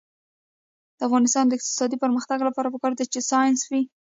د افغانستان د اقتصادي پرمختګ لپاره پکار ده چې ساینس وي.